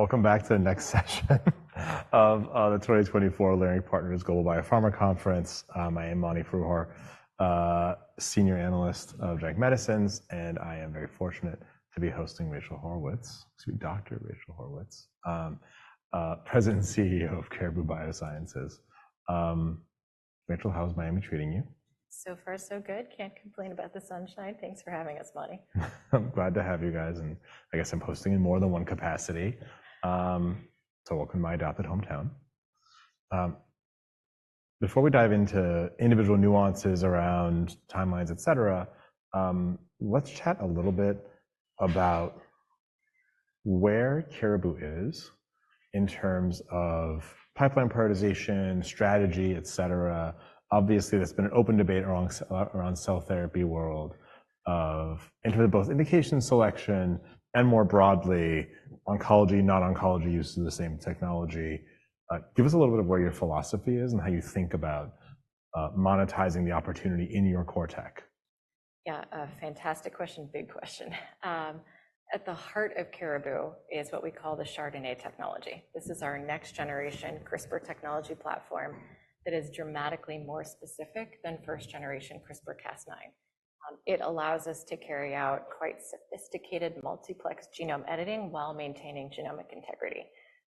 Welcome back to the next session of the 2024 Leerink Partners Global Biopharma Conference. I am Mani Foroohar, Senior Analyst of Genetic Medicines, and I am very fortunate to be hosting Rachel Haurwitz, excuse me, Dr. Rachel Haurwitz, President and CEO of Caribou Biosciences. Rachel, how is Miami treating you? So far, so good. Can't complain about the sunshine. Thanks for having us, Mani. I'm glad to have you guys, and I guess I'm hosting in more than one capacity. So welcome to my adopted hometown. Before we dive into individual nuances around timelines, etc., let's chat a little bit about where Caribou is in terms of pipeline prioritization, strategy, etc. Obviously, there's been an open debate around cell therapy world in terms of both indication selection and, more broadly, oncology, non-oncology use of the same technology. Give us a little bit of where your philosophy is and how you think about monetizing the opportunity in your core tech. Yeah, fantastic question. Big question. At the heart of Caribou is what we call the chRDNA technology. This is our next-generation CRISPR technology platform that is dramatically more specific than first-generation CRISPR-Cas9. It allows us to carry out quite sophisticated multiplex genome editing while maintaining genomic integrity.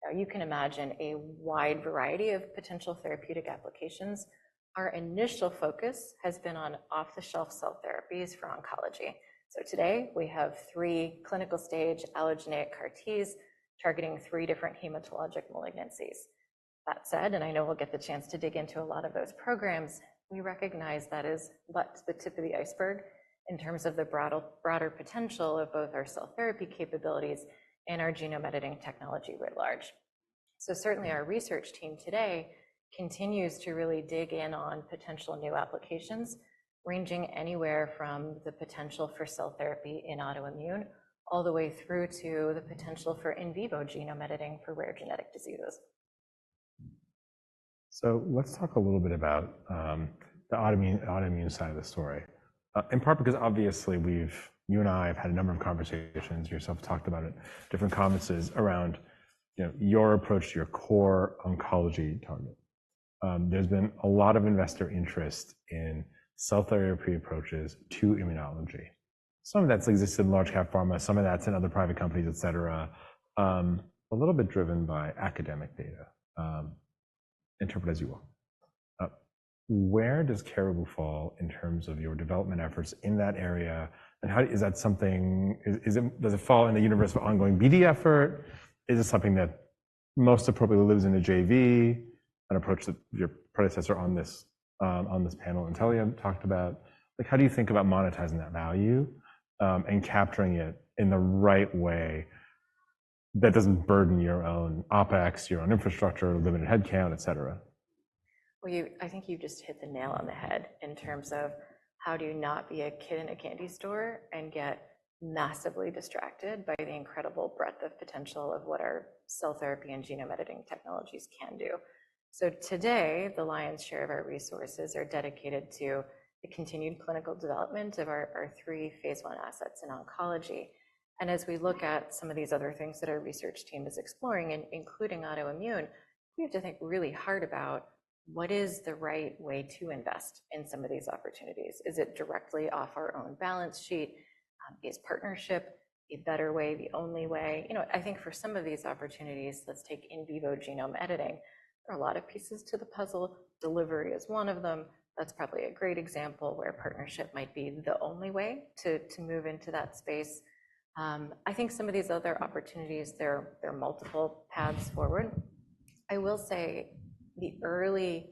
Now, you can imagine a wide variety of potential therapeutic applications. Our initial focus has been on off-the-shelf cell therapies for oncology. So today, we have three clinical-stage allogeneic CAR-Ts targeting three different hematologic malignancies. That said, and I know we'll get the chance to dig into a lot of those programs, we recognize that is but the tip of the iceberg in terms of the broader potential of both our cell therapy capabilities and our genome editing technology writ large. So certainly, our research team today continues to really dig in on potential new applications, ranging anywhere from the potential for cell therapy in autoimmune all the way through to the potential for in vivo genome editing for rare genetic diseases. So let's talk a little bit about the autoimmune side of the story, in part because obviously, you and I have had a number of conversations, yourself talked about it, different conferences around your approach to your core oncology target. There's been a lot of investor interest in cell therapy approaches to immunology. Some of that's existed in large-cap pharma, some of that's in other private companies, etc., a little bit driven by academic data, interpret as you will. Where does Caribou fall in terms of your development efforts in that area, and is that something, does it fall in the universe of ongoing BD effort? Is it something that most appropriately lives in a JV, an approach that your predecessor on this panel, Natalia, talked about? How do you think about monetizing that value and capturing it in the right way that doesn't burden your own OpEx, your own infrastructure, limited headcount, etc.? Well, I think you've just hit the nail on the head in terms of how do you not be a kid in a candy store and get massively distracted by the incredible breadth of potential of what our cell therapy and genome editing technologies can do. So today, the lion's share of our resources are dedicated to the continued clinical development of our three phase 1 assets in oncology. And as we look at some of these other things that our research team is exploring, including autoimmune, we have to think really hard about what is the right way to invest in some of these opportunities. Is it directly off our own balance sheet? Is partnership a better way, the only way? I think for some of these opportunities, let's take in vivo genome editing, there are a lot of pieces to the puzzle. Delivery is one of them. That's probably a great example where partnership might be the only way to move into that space. I think some of these other opportunities, there are multiple paths forward. I will say the early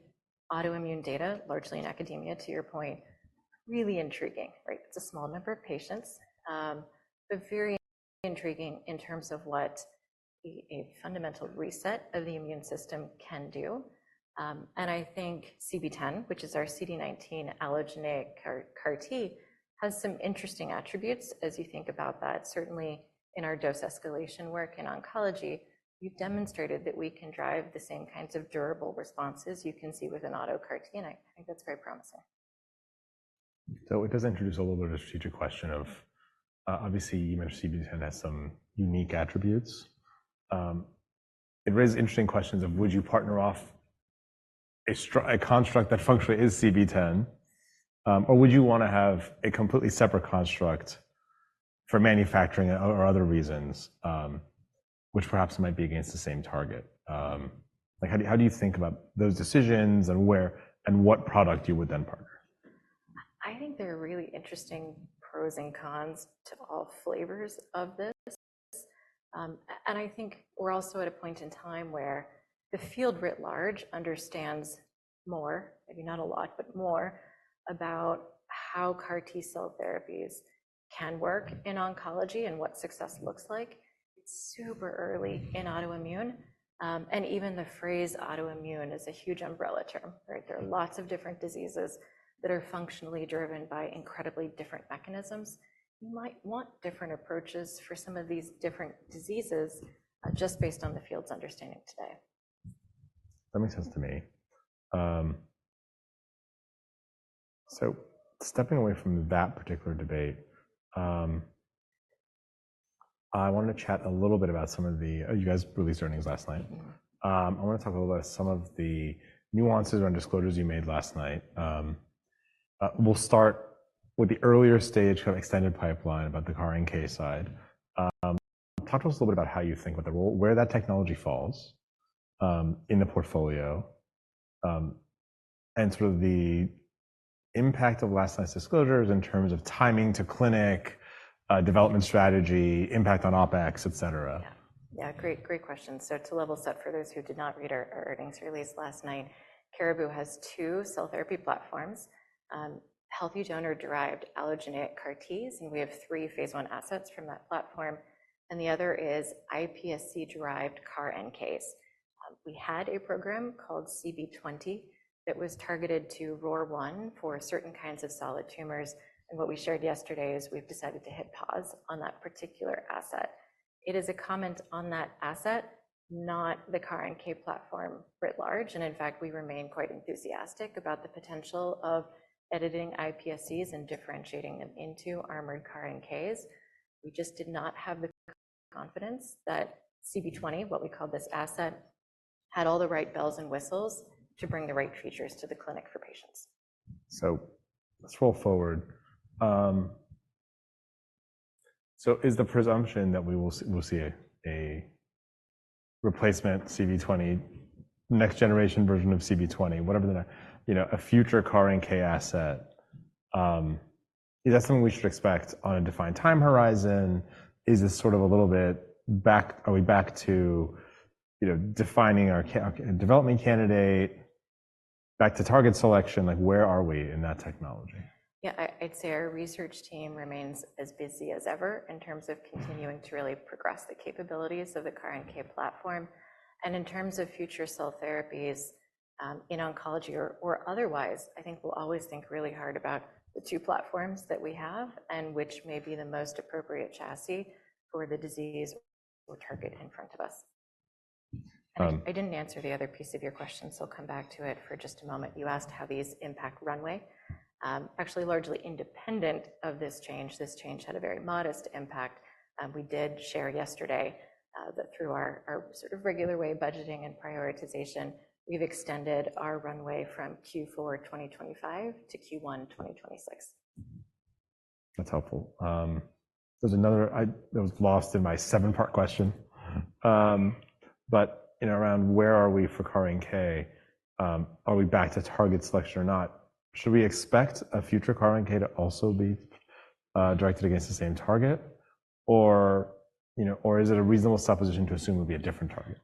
autoimmune data, largely in academia, to your point, really intriguing, right? It's a small number of patients, but very intriguing in terms of what a fundamental reset of the immune system can do. And I think CB-010, which is our CD19 allogeneic CAR-T, has some interesting attributes as you think about that. Certainly, in our dose escalation work in oncology, we've demonstrated that we can drive the same kinds of durable responses you can see with an auto CAR-T, and I think that's very promising. It does introduce a little bit of a strategic question of, obviously, you mentioned CB-010 has some unique attributes. It raises interesting questions of, would you partner off a construct that functionally is CB-010, or would you want to have a completely separate construct for manufacturing or other reasons, which perhaps might be against the same target? How do you think about those decisions and what product you would then partner? I think there are really interesting pros and cons to all flavors of this. I think we're also at a point in time where the field writ large understands more, maybe not a lot, but more, about how CAR-T cell therapies can work in oncology and what success looks like. It's super early in autoimmune, and even the phrase autoimmune is a huge umbrella term, right? There are lots of different diseases that are functionally driven by incredibly different mechanisms. You might want different approaches for some of these different diseases just based on the field's understanding today. That makes sense to me. So stepping away from that particular debate, I wanted to chat a little bit about some of the—you guys released earnings last night. I want to talk a little bit about some of the nuances and disclosures you made last night. We'll start with the earlier stage kind of extended pipeline about the CAR-NK side. Talk to us a little bit about how you think about the role, where that technology falls in the portfolio, and sort of the impact of last night's disclosures in terms of timing to clinic, development strategy, impact on OpEx, etc. Yeah, great question. So to level set for those who did not read our earnings release last night, Caribou has two cell therapy platforms: healthy donor-derived allogeneic CAR-Ts, and we have three phase 1 assets from that platform. The other is iPSC-derived CAR-NKs. We had a program called CB-020 that was targeted to ROR1 for certain kinds of solid tumors, and what we shared yesterday is we've decided to hit pause on that particular asset. It is a comment on that asset, not the CAR-NK platform writ large, and in fact, we remain quite enthusiastic about the potential of editing iPSCs and differentiating them into armored CAR-NKs. We just did not have the confidence that CB-020, what we call this asset, had all the right bells and whistles to bring the right features to the clinic for patients. So let's roll forward. Is the presumption that we will see a replacement CB-020, next-generation version of CB-020, whatever the—a future CAR-NK asset, is that something we should expect on a defined time horizon? Is this sort of a little bit back—are we back to defining our development candidate, back to target selection? Where are we in that technology? Yeah, I'd say our research team remains as busy as ever in terms of continuing to really progress the capabilities of the CAR-NK platform. In terms of future cell therapies in oncology or otherwise, I think we'll always think really hard about the two platforms that we have and which may be the most appropriate chassis for the disease or target in front of us. I didn't answer the other piece of your question, so I'll come back to it for just a moment. You asked how these impact runway. Actually, largely independent of this change. This change had a very modest impact. We did share yesterday that through our sort of regular way budgeting and prioritization, we've extended our runway from Q4 2025 to Q1 2026. That's helpful. There was another—I was lost in my seven-part question—but around where are we for CAR-NK? Are we back to target selection or not? Should we expect a future CAR-NK to also be directed against the same target, or is it a reasonable supposition to assume it would be a different target?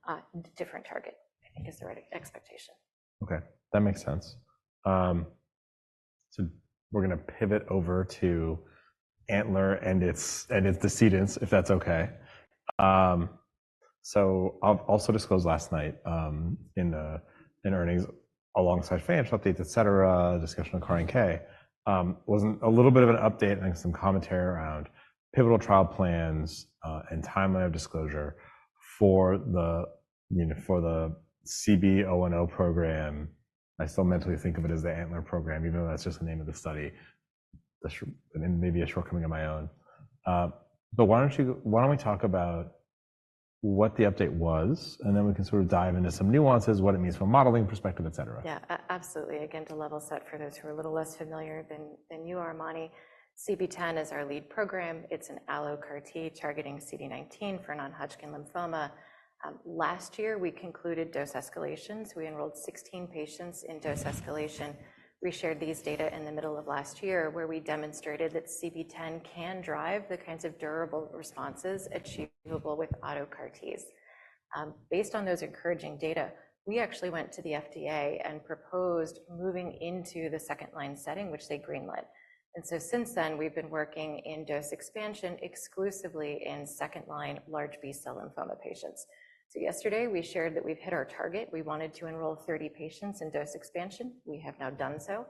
Different target, I think, is the right expectation. Okay, that makes sense. So we're going to pivot over to ANTLER and its descendants, if that's okay. So I'll also disclose last night in earnings alongside financial updates, etc., discussion of CAR-NK was a little bit of an update and some commentary around pivotal trial plans and timeline of disclosure for the CB-010 program. I still mentally think of it as the ANTLER program, even though that's just the name of the study. Maybe a shortcoming of my own. But why don't we talk about what the update was, and then we can sort of dive into some nuances, what it means from a modeling perspective, etc.? Yeah, absolutely. Again, to level set for those who are a little less familiar than you are, Mani, CB-010 is our lead program. It's an allo CAR-T targeting CD19 for non-Hodgkin lymphoma. Last year, we concluded dose escalation. We enrolled 16 patients in dose escalation. We shared these data in the middle of last year, where we demonstrated that CB-010 can drive the kinds of durable responses achievable with auto CAR-Ts. Based on those encouraging data, we actually went to the FDA and proposed moving into the second-line setting, which they greenlit. Since then, we've been working in dose expansion exclusively in second-line large B-cell lymphoma patients. Yesterday, we shared that we've hit our target. We wanted to enroll 30 patients in dose expansion. We have now done so,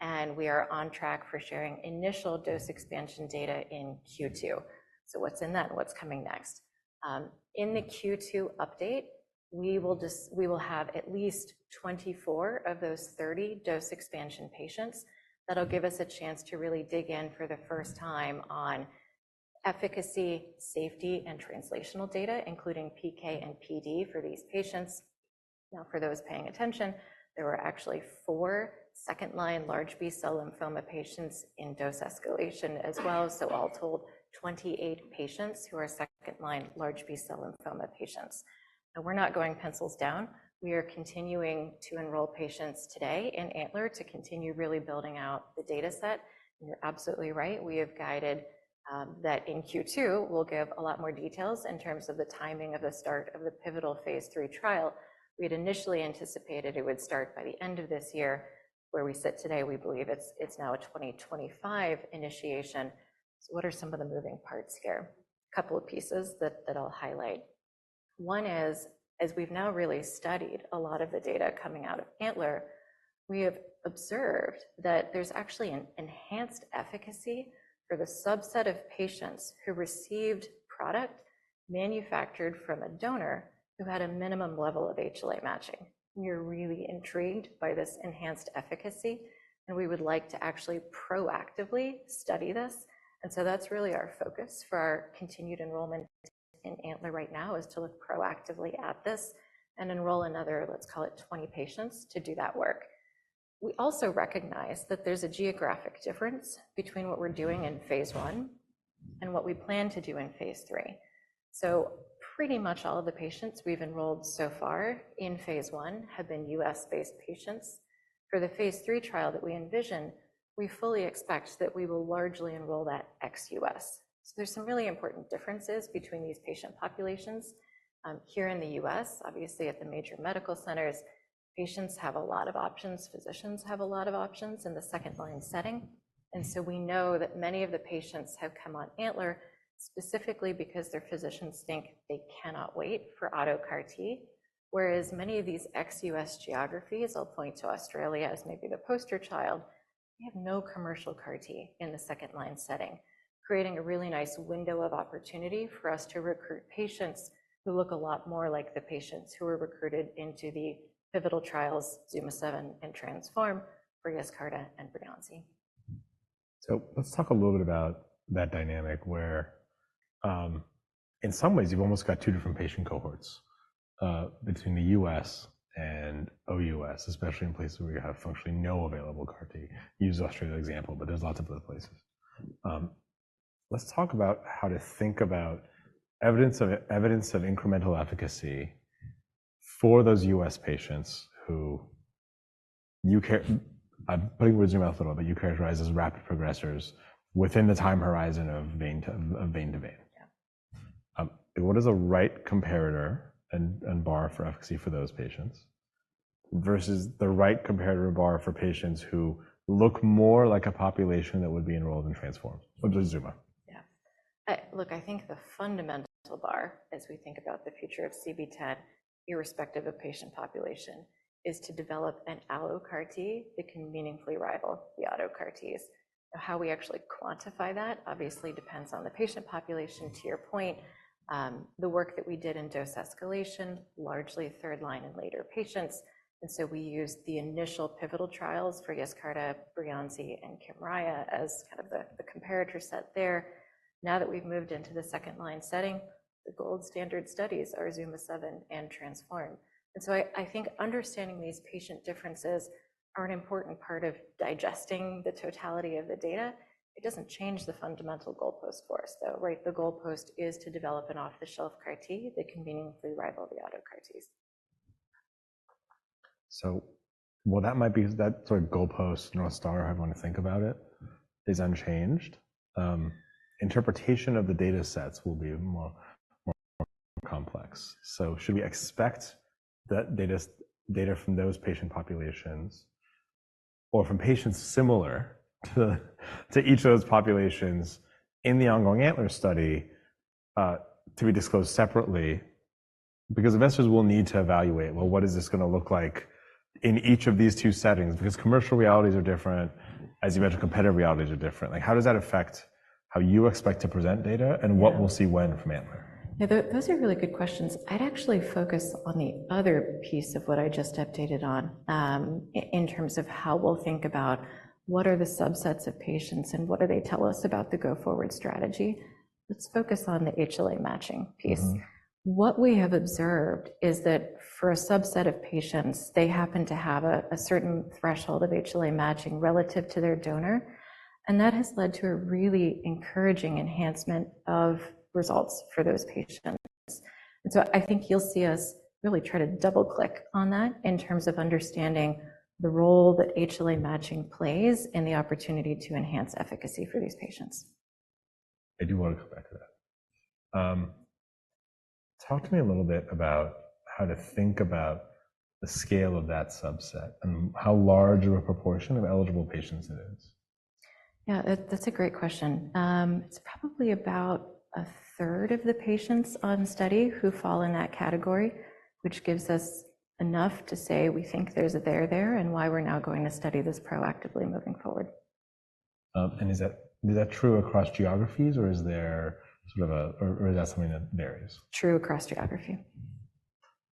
and we are on track for sharing initial dose expansion data in Q2. So what's in that? What's coming next? In the Q2 update, we will have at least 24 of those 30 dose expansion patients. That'll give us a chance to really dig in for the first time on efficacy, safety, and translational data, including PK and PD for these patients. Now, for those paying attention, there were actually 4 second-line large B-cell lymphoma patients in dose escalation as well. So all told, 28 patients who are second-line large B-cell lymphoma patients. Now, we're not going pencils down. We are continuing to enroll patients today in ANTLER to continue really building out the dataset. And you're absolutely right. We have guided that in Q2, we'll give a lot more details in terms of the timing of the start of the pivotal phase 3 trial. We had initially anticipated it would start by the end of this year. Where we sit today, we believe it's now a 2025 initiation. So what are some of the moving parts here? A couple of pieces that I'll highlight. One is, as we've now really studied a lot of the data coming out of ANTLER, we have observed that there's actually an enhanced efficacy for the subset of patients who received product manufactured from a donor who had a minimum level of HLA matching. We are really intrigued by this enhanced efficacy, and we would like to actually proactively study this. And so that's really our focus for our continued enrollment in ANTLER right now, is to look proactively at this and enroll another, let's call it, 20 patients to do that work. We also recognize that there's a geographic difference between what we're doing in phase I and what we plan to do in phase III. So pretty much all of the patients we've enrolled so far in phase 1 have been U.S based patients. For the phase 3 trial that we envision, we fully expect that we will largely enroll that ex U.S. So there's some really important differences between these patient populations. Here in the U.S., obviously, at the major medical centers, patients have a lot of options. Physicians have a lot of options in the second-line setting. And so we know that many of the patients have come on ANTLER specifically because their physicians think they cannot wait for auto CAR-T, whereas many of these ex-US geographies, I'll point to Australia as maybe the poster child, we have no commercial CAR-T in the second-line setting, creating a really nice window of opportunity for us to recruit patients who look a lot more like the patients who were recruited into the pivotal trials, ZUMA-7 and TRANSFORM, for Yescarta and Breyanzi. So let's talk a little bit about that dynamic where, in some ways, you've almost got two different patient cohorts between the U.S. and OUS, especially in places where you have functionally no available CAR-T. Use the Australia example, but there's lots of other places. Let's talk about how to think about evidence of incremental efficacy for those U.S. patients who, I'm putting words in your mouth a little, but you characterize as rapid progressors within the time horizon of vein to vein. What is the right comparator and bar for efficacy for those patients versus the right comparator bar for patients who look more like a population that would be enrolled in TRANSFORM? What does Zuma? Yeah, look, I think the fundamental bar, as we think about the future of CB-010, irrespective of patient population, is to develop an allo CAR-T that can meaningfully rival the auto CAR-Ts. Now, how we actually quantify that obviously depends on the patient population. To your point, the work that we did in dose escalation, largely third-line and later patients. And so we used the initial pivotal trials for Yescarta, Breyanzi, and Kymriah as kind of the comparator set there. Now that we've moved into the second-line setting, the gold standard studies are ZUMA-7 and TRANSFORM. And so I think understanding these patient differences are an important part of digesting the totality of the data. It doesn't change the fundamental goalpost for us, though, right? The goalpost is to develop an off-the-shelf CAR-T that can meaningfully rival the auto CAR-Ts. So while that might be that sort of goalpost, North Star, how you want to think about it is unchanged. Interpretation of the datasets will be more complex. So should we expect that data from those patient populations or from patients similar to each of those populations in the ongoing ANTLER study to be disclosed separately? Because investors will need to evaluate, well, what is this going to look like in each of these two settings? Because commercial realities are different. As you mentioned, competitive realities are different. How does that affect how you expect to present data and what we'll see when from ANTLER? Yeah, those are really good questions. I'd actually focus on the other piece of what I just updated on in terms of how we'll think about what are the subsets of patients and what do they tell us about the go-forward strategy. Let's focus on the HLA matching piece. What we have observed is that for a subset of patients, they happen to have a certain threshold of HLA matching relative to their donor. And that has led to a really encouraging enhancement of results for those patients. And so I think you'll see us really try to double-click on that in terms of understanding the role that HLA matching plays in the opportunity to enhance efficacy for these patients. I do want to come back to that. Talk to me a little bit about how to think about the scale of that subset and how large of a proportion of eligible patients it is. Yeah, that's a great question. It's probably about a third of the patients on study who fall in that category, which gives us enough to say we think there's a there there and why we're now going to study this proactively moving forward. Is that true across geographies, or is there sort of—or is that something that varies? True across geography.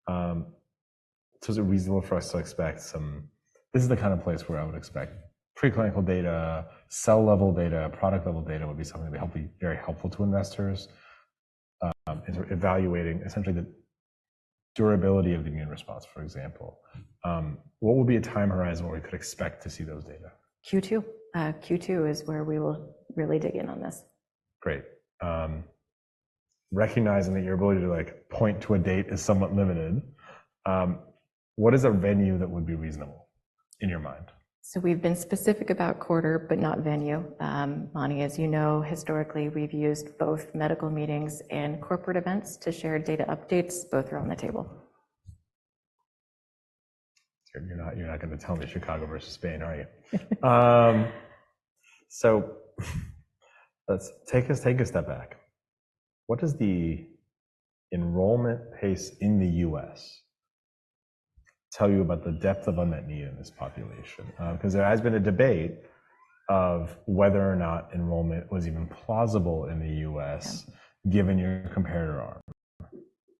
So is it reasonable for us to expect some, this is the kind of place where I would expect preclinical data, cell-level data, product-level data would be something that would be very helpful to investors? Is evaluating essentially the durability of the immune response, for example, what would be a time horizon where we could expect to see those data? Q2. Q2 is where we will really dig in on this. Great. Recognizing that your ability to point to a date is somewhat limited, what is a venue that would be reasonable in your mind? So we've been specific about quarter, but not venue. Mani, as you know, historically, we've used both medical meetings and corporate events to share data updates both around the table. You're not going to tell me Chicago versus Spain, are you? So let's take a step back. What does the enrollment pace in the U.S. tell you about the depth of unmet need in this population? Because there has been a debate of whether or not enrollment was even plausible in the U.S., given your comparator arm.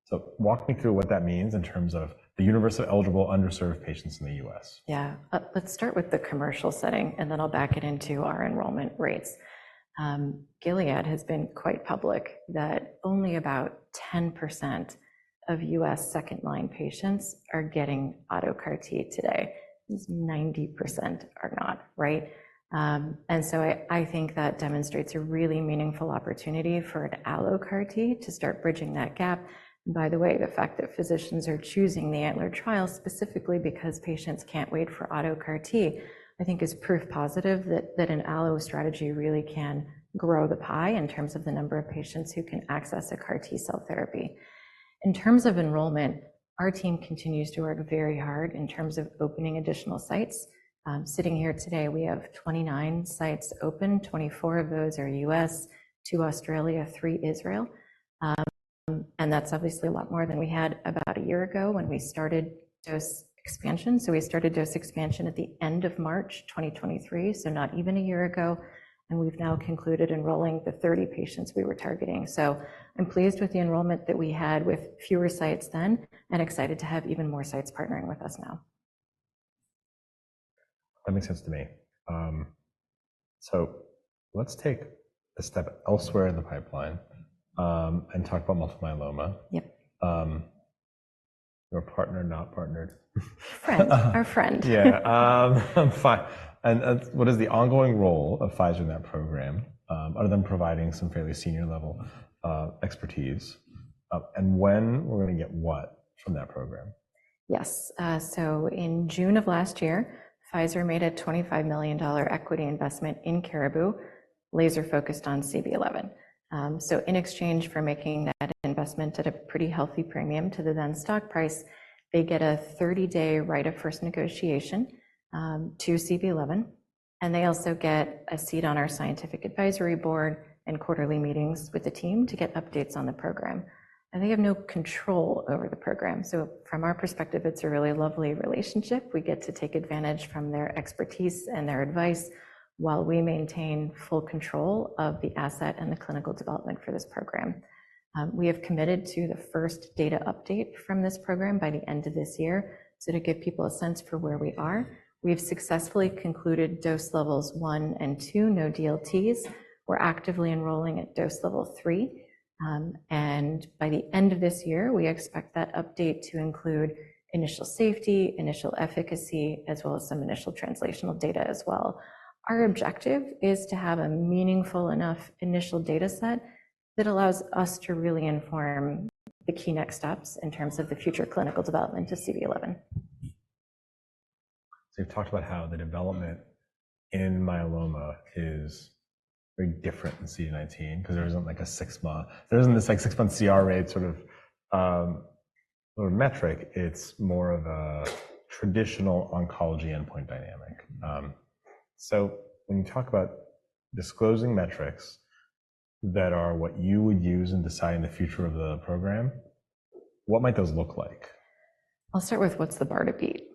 So walk me through what that means in terms of the universe of eligible underserved patients in the U.S. Yeah, let's start with the commercial setting, and then I'll back it into our enrollment rates. Gilead has been quite public that only about 10% of U.S. second-line patients are getting auto CAR-T today. 90% are not, right? And so I think that demonstrates a really meaningful opportunity for an allo CAR-T to start bridging that gap. And by the way, the fact that physicians are choosing the ANTLER trial specifically because patients can't wait for auto CAR-T, I think, is proof positive that an allo CAR-T strategy really can grow the pie in terms of the number of patients who can access a CAR-T cell therapy. In terms of enrollment, our team continues to work very hard in terms of opening additional sites. Sitting here today, we have 29 sites open. 24 of those are U.S., 2 Australia, 3 Israel. That's obviously a lot more than we had about a year ago when we started dose expansion. We started dose expansion at the end of March 2023, so not even a year ago. We've now concluded enrolling the 30 patients we were targeting. I'm pleased with the enrollment that we had with fewer sites then and excited to have even more sites partnering with us now. That makes sense to me. Let's take a step elsewhere in the pipeline and talk about multiple myeloma. Your partner, not partnered. Friend, our friend. Yeah, fine. And what is the ongoing role of Pfizer in that program, other than providing some fairly senior-level expertise? And when we're going to get what from that program? Yes. So in June of last year, Pfizer made a $25 million equity investment in Caribou, laser-focused on CB-011. So in exchange for making that investment at a pretty healthy premium to the then stock price, they get a 30-day right of first negotiation to CB-011. And they also get a seat on our scientific advisory board and quarterly meetings with the team to get updates on the program. And they have no control over the program. So from our perspective, it's a really lovely relationship. We get to take advantage from their expertise and their advice while we maintain full control of the asset and the clinical development for this program. We have committed to the first data update from this program by the end of this year. So to give people a sense for where we are, we've successfully concluded dose levels 1 and 2, no DLTs. We're actively enrolling at dose level three. By the end of this year, we expect that update to include initial safety, initial efficacy, as well as some initial translational data as well. Our objective is to have a meaningful enough initial dataset that allows us to really inform the key next steps in terms of the future clinical development to CB-011. So you've talked about how the development in myeloma is very different than CD19 because there isn't like a 6-month, there isn't this like 6-month CR rate sort of metric. It's more of a traditional oncology endpoint dynamic. So when you talk about disclosing metrics that are what you would use and decide in the future of the program, what might those look like? I'll start with what's the bar to beat.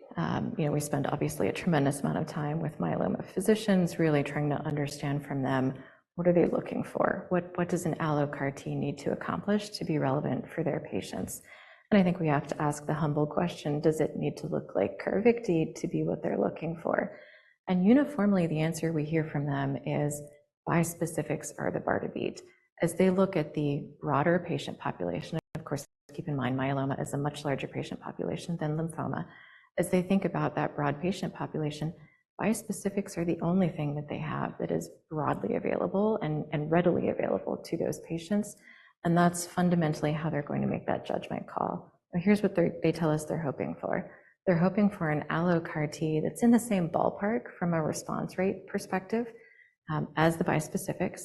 You know, we spend obviously a tremendous amount of time with myeloma physicians, really trying to understand from them, what are they looking for? What does an allo CAR-T need to accomplish to be relevant for their patients? And I think we have to ask the humble question, does it need to look like Carvykti to be what they're looking for? And uniformly, the answer we hear from them is, bispecifics are the bar to beat. As they look at the broader patient population, and of course, keep in mind, myeloma is a much larger patient population than lymphoma, as they think about that broad patient population, bispecifics are the only thing that they have that is broadly available and readily available to those patients. And that's fundamentally how they're going to make that judgment call. Now, here's what they tell us they're hoping for. They're hoping for an allo CAR-T that's in the same ballpark from a response rate perspective as the bispecifics.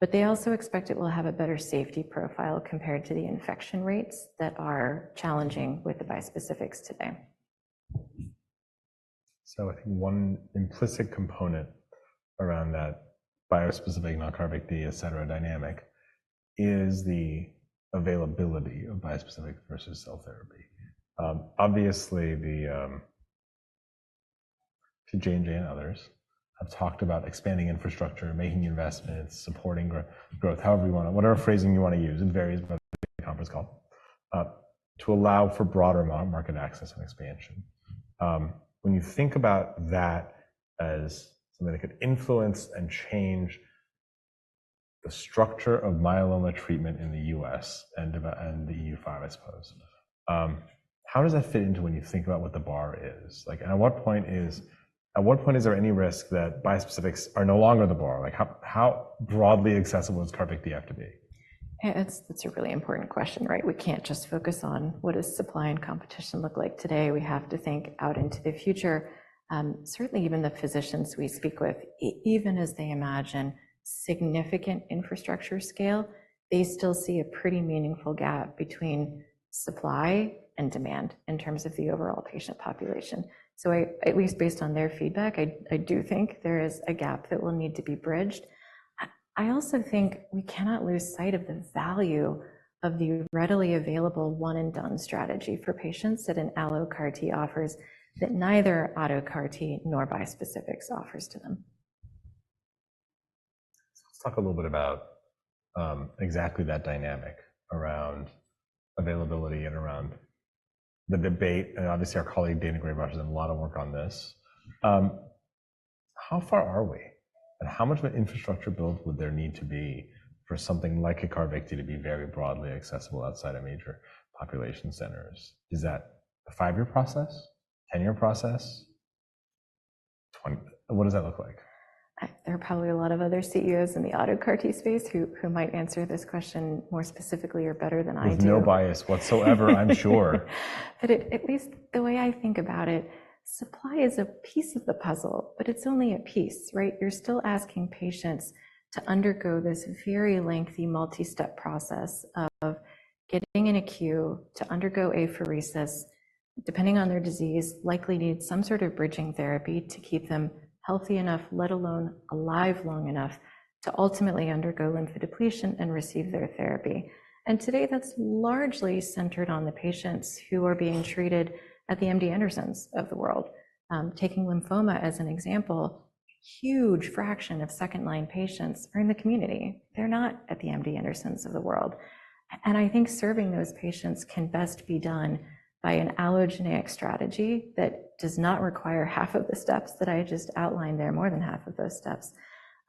But they also expect it will have a better safety profile compared to the infection rates that are challenging with the bispecifics today. So I think one implicit component around that bispecific, non-CAR-T, etc., dynamic is the availability of bispecific versus cell therapy. Obviously, the J&J and others have talked about expanding infrastructure, making investments, supporting growth, however you want to, whatever phrasing you want to use in various conference calls, to allow for broader market access and expansion. When you think about that as something that could influence and change the structure of myeloma treatment in the US and the EU5, I suppose, how does that fit into when you think about what the bar is? Like, at what point is there any risk that bispecifics are no longer the bar? Like, how broadly accessible does CAR-T have to be? That's a really important question, right? We can't just focus on what does supply and competition look like today. We have to think out into the future. Certainly, even the physicians we speak with, even as they imagine significant infrastructure scale, they still see a pretty meaningful gap between supply and demand in terms of the overall patient population. So at least based on their feedback, I do think there is a gap that will need to be bridged. I also think we cannot lose sight of the value of the readily available one-and-done strategy for patients that an allo CAR-T offers that neither auto CAR-T nor bispecifics offers to them. So let's talk a little bit about exactly that dynamic around availability and around the debate. And obviously, our colleague Daina Graybosch has done a lot of work on this. How far are we? And how much of an infrastructure build would there need to be for something like a CB-010 to be very broadly accessible outside of major population centers? Is that a five-year process, ten-year process? What does that look like? There are probably a lot of other CEOs in the auto CAR-T space who might answer this question more specifically or better than I do. There's no bias whatsoever, I'm sure. But at least the way I think about it, supply is a piece of the puzzle, but it's only a piece, right? You're still asking patients to undergo this very lengthy multi-step process of getting in a queue to undergo apheresis, depending on their disease, likely need some sort of bridging therapy to keep them healthy enough, let alone alive long enough to ultimately undergo lymphodepletion and receive their therapy. And today, that's largely centered on the patients who are being treated at the MD Andersons of the world. Taking lymphoma as an example, a huge fraction of second-line patients are in the community. They're not at the MD Andersons of the world. I think serving those patients can best be done by an allogeneic strategy that does not require half of the steps that I just outlined there, more than half of those steps,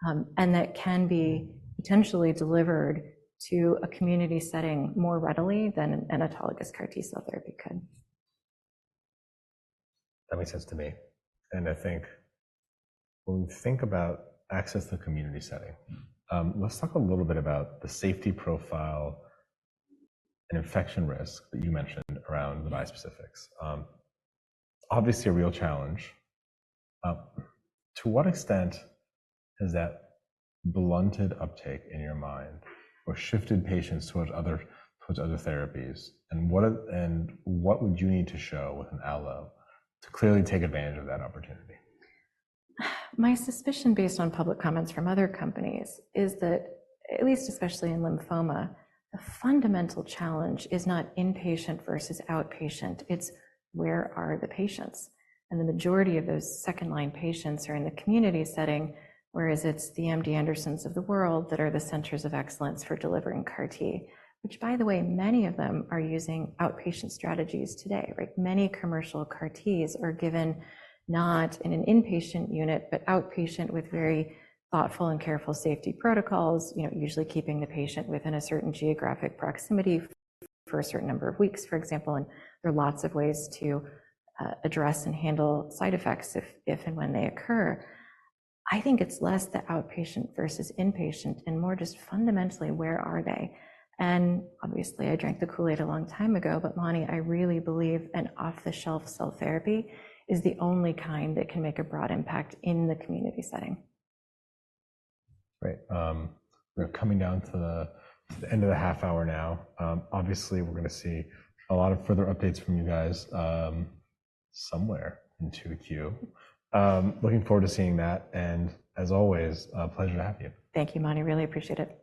and that can be potentially delivered to a community setting more readily than an autologous CAR-T cell therapy could. That makes sense to me. And I think when we think about access to the community setting, let's talk a little bit about the safety profile and infection risk that you mentioned around the bispecifics. Obviously, a real challenge. To what extent is that blunted uptake in your mind, or shifted patients towards other therapies? And what would you need to show with an allo to clearly take advantage of that opportunity? My suspicion, based on public comments from other companies, is that at least especially in lymphoma, the fundamental challenge is not inpatient versus outpatient. It's where are the patients? And the majority of those second-line patients are in the community setting, whereas it's the MD Andersons of the world that are the centers of excellence for delivering CAR T, which, by the way, many of them are using outpatient strategies today, right? Many commercial CAR Ts are given not in an inpatient unit, but outpatient with very thoughtful and careful safety protocols, usually keeping the patient within a certain geographic proximity for a certain number of weeks, for example. And there are lots of ways to address and handle side effects if and when they occur. I think it's less the outpatient versus inpatient and more just fundamentally, where are they? Obviously, I drank the Kool-Aid a long time ago. Mani, I really believe an off-the-shelf cell therapy is the only kind that can make a broad impact in the community setting. Right. We're coming down to the end of the half hour now. Obviously, we're going to see a lot of further updates from you guys somewhere into the queue. Looking forward to seeing that. As always, a pleasure to have you. Thank you, Mani. Really appreciate it.